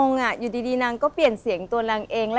งอยู่ดีนางก็เปลี่ยนเสียงตัวนางเอง